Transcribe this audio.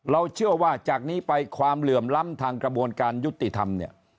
เชื่อว่าจากนี้ไปความเหลื่อมล้ำทางกระบวนการยุติธรรมเนี่ย